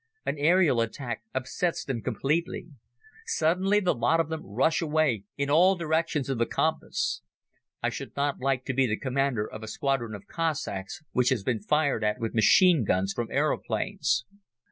An aerial attack upsets them completely. Suddenly the lot of them rush away in all directions of the compass. I should not like to be the Commander of a Squadron of Cossacks which has been fired at with machine guns from aeroplanes.